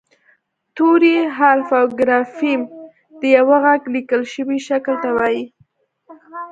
توری حرف او ګرافیم د یوه غږ لیکل شوي شکل ته وايي